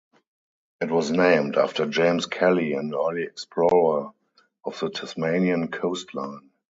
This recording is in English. It was named after James Kelly an early explorer of the Tasmanian coastline.